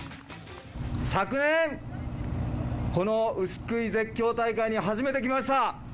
昨年、この牛喰い絶叫大会に初めて来ました。